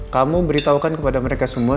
kamu beritahukan kepada mereka semua